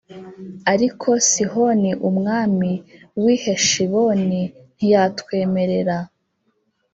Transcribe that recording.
Ariko Sihoni umwami w’i Heshiboni ntiyatwemerera